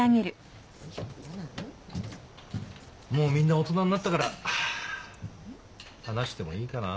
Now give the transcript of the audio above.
もうみんな大人になったから話してもいいかな。